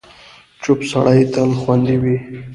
چوپ سړی، تل خوندي وي.